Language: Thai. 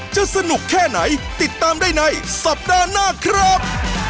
สนุกแค่ไหนติดตามได้ในสัปดาห์หน้าครับ